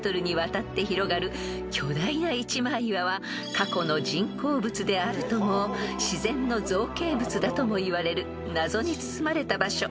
［過去の人工物であるとも自然の造形物だともいわれる謎に包まれた場所］